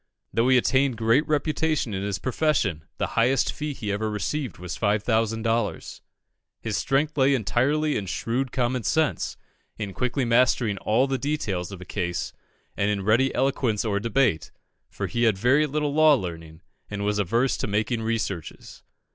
Though he attained great reputation in his profession, the highest fee he ever received was 5,000 dollars. His strength lay entirely in shrewd common sense, in quickly mastering all the details of a case, and in ready eloquence or debate, for he had very little law learning, and was averse to making researches.